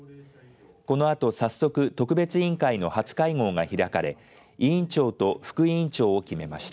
このあと早速特別委員会の初会合が開かれ委員長と副委員長を決めました。